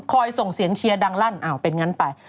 ส่งเสียงเชียร์ดังลั่นอ้าวเป็นงั้นไป